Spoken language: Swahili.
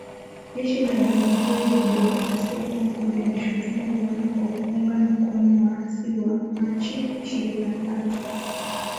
Jeshi la jamhuri ya kidemokrasia ya Kongo linaishutumu Rwanda kwa kuunga mkono waasi wa Machi ishirini na tatu